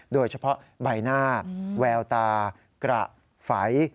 โดยเฉพาะใบหน้าแววตากระไฝ